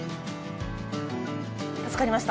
助かりました。